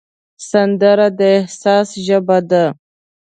سندره د احساس ژبه ده